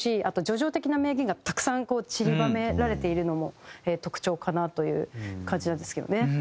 あと叙情的な名言がたくさんこうちりばめられているのも特徴かなという感じなんですけどね。